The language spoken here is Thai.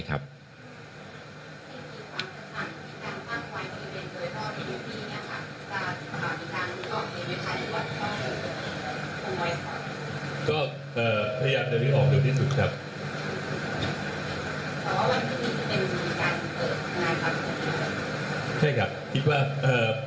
เป็นสิทธิการสิทธิเกิดนายความคิดว่าใช่ครับคิดว่าเอ่อ